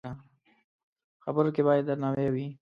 خبرو کې باید درناوی وي